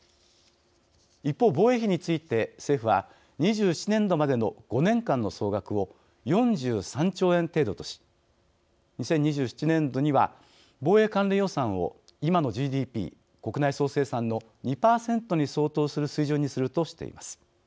一方、防衛費について政府は、２０２７年度までの５年間の総額を４３兆円程度とし２０２７年度には防衛関連予算を今のＧＤＰ＝国内総生産の２％に相当する水準にするとしています。